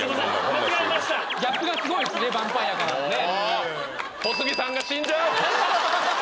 間違えましたギャップがすごいですねヴァンパイアからのね